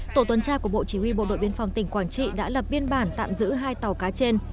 tổ tuần tra của bộ chỉ huy bộ đội biên phòng tỉnh quảng trị đã lập biên bản tạm giữ hai tàu cá trên